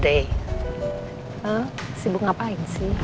hah sibuk ngapain sih